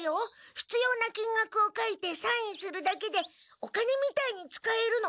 ひつようなきんがくを書いてサインするだけでお金みたいに使えるの。